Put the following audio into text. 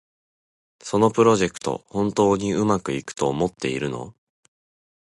そのプロジェクト、本当にうまくいくと思ってるの？